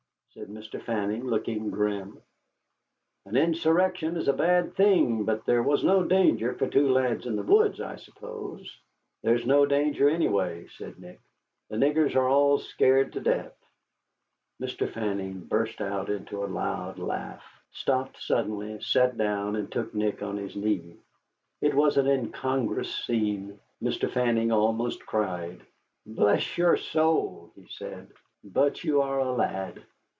said Mr. Fanning, looking grim. "An insurrection is a bad thing, but there was no danger for two lads in the woods, I suppose." "There's no danger anyway," said Nick. "The niggers are all scared to death." Mr. Fanning burst out into a loud laugh, stopped suddenly, sat down, and took Nick on his knee. It was an incongruous scene. Mr. Fanning almost cried. "Bless your soul," he said, "but you are a lad.